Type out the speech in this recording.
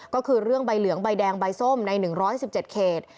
ก็คือเรื่องใบเหลืองใบแดงใบส้มใน๑๑๗เขต